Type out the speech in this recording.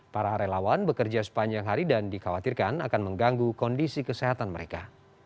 para relawan bekerja sepanjang hari dan dikhawatirkan akan mengganggu kondisi kesehatan mereka